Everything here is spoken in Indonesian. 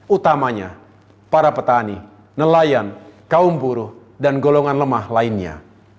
utamanya para petani nelayan kaum buruh dan golongan lemah lainnya